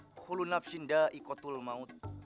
khulun nafsinda ikotul maut